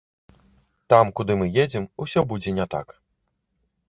Там, куды мы едзем, усё будзе не так.